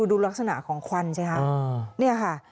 ดูลักษณะของควันใช่ไหมนี่ค่ะ